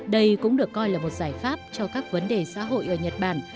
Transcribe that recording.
đây cũng được coi là một giải pháp cho các vấn đề xã hội ở nhật bản